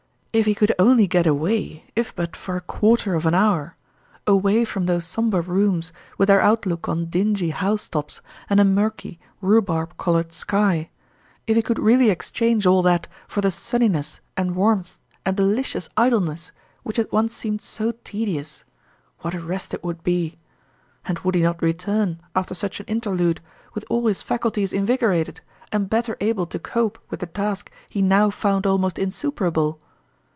If he could only get away, if but for a quarter of an hour away from those somber rooms, with their outlook on dingy house tops and a murky, rhubarb colored sky if he could really ex change all that for the eunniness and warmth 32 Sottrmalin's ime Cheques. and delicious idleness which had once seemed so tedious, what a rest it would be! And would he not return after such an interlude with all his faculties invigorated, and better able to cope with the task he now found almost insuperable